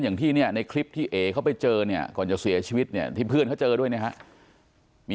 อย่างที่เนี่ยในคลิปที่เอ๋เขาไปเจอเนี่ยก่อนจะเสียชีวิตเนี่ยที่เพื่อนเขาเจอด้วยนะครับ